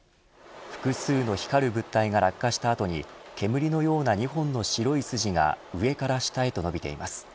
複数の光る物体が落下した後に煙のような２本の白い筋が上から下へと伸びています。